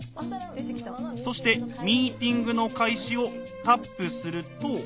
そして「ミーティングの開始」をタップすると。